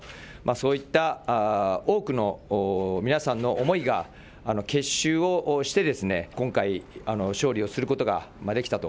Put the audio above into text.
そういった多くの皆さんの思いが結集をして、今回、勝利をすることができたと。